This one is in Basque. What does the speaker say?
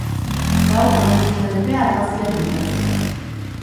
Gaur amaitzen da epea argazkiak bidaltzeko.